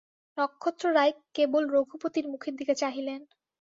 নক্ষত্ররায় কেবল রঘুপতির মুখের দিকে চাহিলেন।